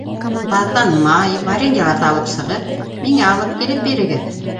Баҙҙан май, вареньеларҙы алып сығып, миңә алып килеп бирегеҙ.